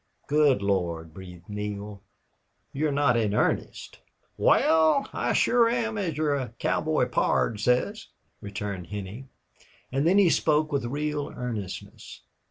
"Good Lord!" breathed Neale. "You're not in earnest?" "Wal, I shore am, as your cowboy pard says," returned Henney. And then he spoke with real earnestness.